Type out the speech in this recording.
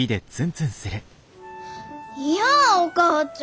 いやお母ちゃん！